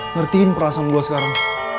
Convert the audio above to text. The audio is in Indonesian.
ngertiin perasaan gue sekarang